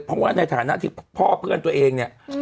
เพราะว่าในฐานะที่พ่อเพื่อนตัวเองเนี่ย